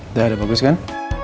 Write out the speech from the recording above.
udah udah bagus kan